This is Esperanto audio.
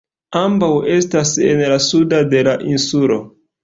Ambaŭ estas en la sudo de la insulo.